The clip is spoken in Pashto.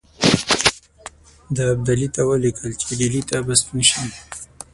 ده ابدالي ته ولیکل چې ډهلي ته به ستون شي.